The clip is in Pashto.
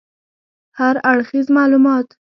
هراړخیز معلومات